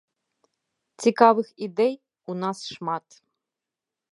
Цікавых ідэй у нас шмат.